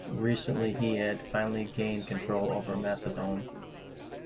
Recently he had finally gained control over Macedon.